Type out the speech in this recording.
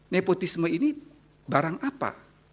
nepotisme ini barang apa